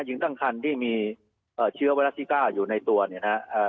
หญิงตั้งคันที่มีเชื้อไวรัสซิก้าอยู่ในตัวเนี่ยนะฮะ